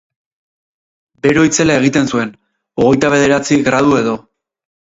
Bero itzela egin zuen; hogeitabederatzi gradu edo.